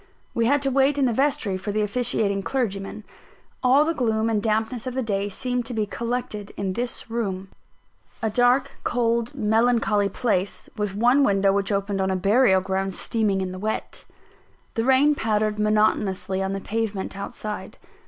We had to wait in the vestry for the officiating clergyman. All the gloom and dampness of the day seemed to be collected in this room a dark, cold, melancholy place, with one window which opened on a burial ground steaming in the wet. The rain pattered monotonously on the pavement outside.